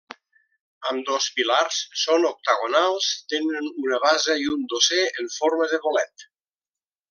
Ambdós pilars són octagonals, tenen una base i un dosser en forma de bolet.